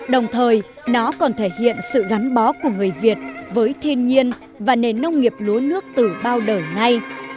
đồng thời nó còn thể hiện sự gắn bó của người việt với thiên nhiên và nền nông nghiệp lúa nước từ bao đời nay